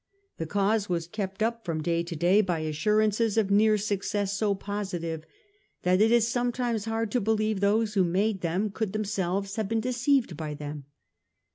The cause was kept up from day to day by assurances of near success so positive that it is sometimes hard to believe those who made them could themselves have been deceived by them.